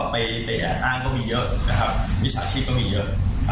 ไปอ่านก็มีเยอะดีส่าห์ชีพก็มีเยอะ